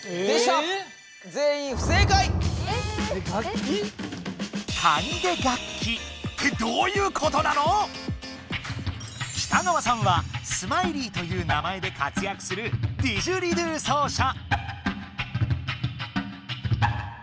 えっ？えっ？え楽器？ってどういうことなの⁉北川さんはスマイリーという名前で活やくするディジュリドゥ奏者。